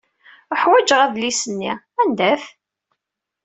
Uḥwajeɣ adlis-nni! Anda-t?